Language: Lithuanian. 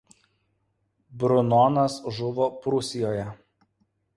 Brunonas žuvo Prūsijoje.